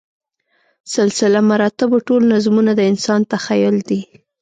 سلسله مراتبو ټول نظمونه د انسان تخیل دی.